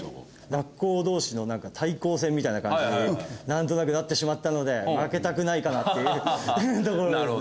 学校同士の対抗戦みたいな感じになんとなくなってしまったので負けたくないかなっていうところですね。